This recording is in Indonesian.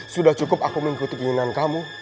sudah cukup aku mengikuti keinginan kamu